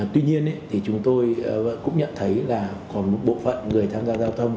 tuy nhiên thì chúng tôi cũng nhận thấy là còn một bộ phận người tham gia giao thông